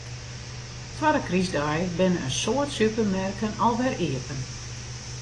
Twadde krystdei binne in soad supermerken alwer iepen.